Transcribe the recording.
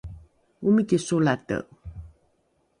omiki solate